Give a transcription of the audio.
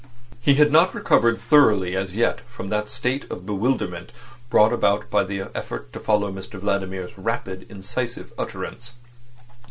He had not recovered thoroughly as yet from that state of bewilderment brought about by the effort to follow Mr Vladimir's rapid incisive utterance.